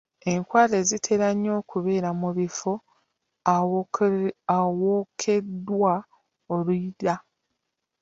Enkwale zitera nnyo okubeera mu bifo awookeddwa oluyiira.